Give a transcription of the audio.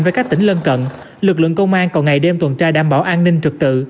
với các tỉnh lân cận lực lượng công an còn ngày đêm tuần tra đảm bảo an ninh trực tự